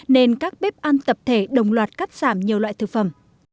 nên các bếp ăn tập thể đồng loạt cắt giảm nhiều loại thực phẩm